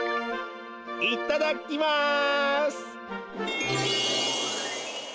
いただきます！